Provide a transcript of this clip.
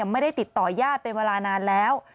ไม่ได้ติดต่อยาดเป็นเวลานานแล้ว